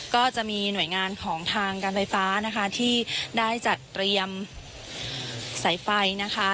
ก็จะมีหน่วยงานของทางการไฟฟ้านะคะที่ได้จัดเตรียมสายไฟนะคะ